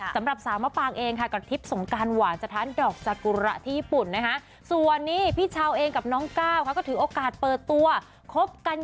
สำหรับสาวมะปังเองกับทิพย์สงกันหวานจะทานดอกจากุระที่ญี่ปุ่นนะคะ